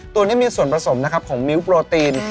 ตัวนี้มีส่วนผสมนะครับของนิ้วโปรตีน